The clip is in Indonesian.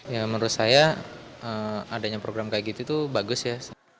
ya menurut saya adanya program kayak gitu tuh bagus ya